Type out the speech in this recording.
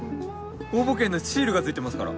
応募券のシールが付いてますから。